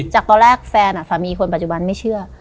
จากตอนแรกแฟนสามีคนปัจจุบันไม่เชื่อ